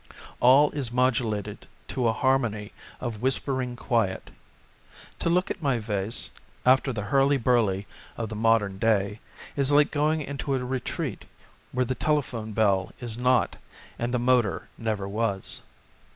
All is modulated to a harmony of whispering quiet. To look at my vase after the hurly burly of the modem day is like going into a retreat where tlie tele l(}^ ALL MANNER OF FOLK phone bell is not and the motor never was.